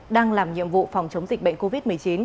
đang làm nhiệm vụ phòng chống dịch bệnh covid một mươi chín